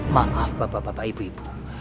maaf bapak bapak ibu ibu